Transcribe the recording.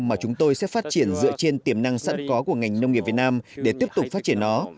mà chúng tôi sẽ phát triển dựa trên tiềm năng sẵn có của ngành nông nghiệp việt nam để tiếp tục phát triển nó